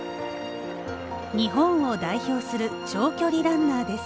日本を代表する長距離ランナーです。